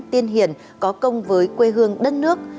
tiên hiền có công với quê hương đất nước